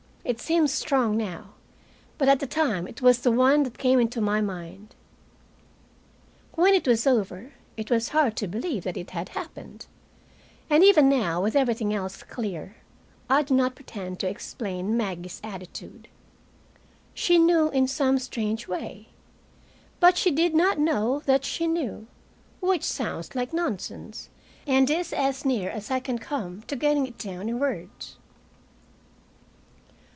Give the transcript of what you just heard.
It seems strong now, but at the time it was the one that came into my mind. When it was over, it was hard to believe that it had happened. And even now, with everything else clear, I do not pretend to explain Maggie's attitude. She knew, in some strange way. But she did not know that she knew which sounds like nonsense and is as near as I can come to getting it down in words.